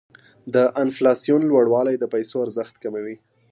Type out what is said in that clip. د انفلاسیون لوړوالی د پیسو ارزښت کموي.